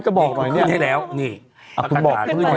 ฉันก็บอกว่า